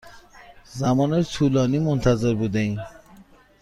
زمان طولانی منتظر بوده ایم.